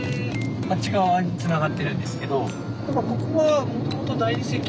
あっち側につながってるんですけど。